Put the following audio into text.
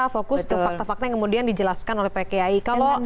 fokus ke fakta fakta yang kemudian dijelaskan oleh pak kiai